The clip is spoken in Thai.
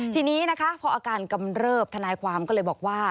ทีนี้นะคะพออาการกำเริบทนายความก็เลยบอกว่า